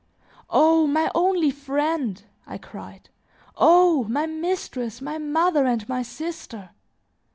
"O my only friend!" I cried. "Oh! my mistress, my mother, and my sister!